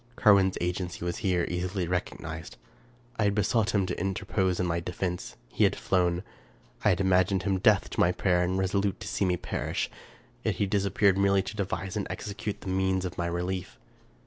Carwin's agency was here easily recognized. I had be sought him to interpose in my defense. He had flown. I had imagined him deaf to my prayer, and resolute to see me perish ; yet he disappeared merely to devise and execute the means of my relief.